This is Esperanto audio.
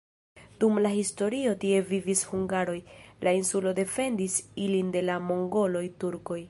Dum la historio tie vivis hungaroj, la insulo defendis ilin de la mongoloj, turkoj.